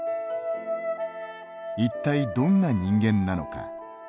一体どんな人間なのか。